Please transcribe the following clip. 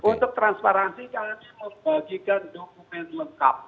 untuk transparansi kami membagikan dokumen lengkap